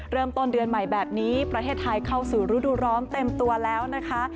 เริ่มต้นเดือนใหม่แบบนี้ประเทศไทยเข้าสู่ฤดูร้อนเต็มตัวแล้วนะคะ